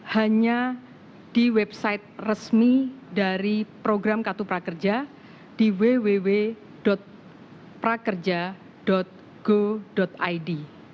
pendaftaran kartu prakerja semuanya dilakukan lewat situs resmi prakerja di www prakerja go id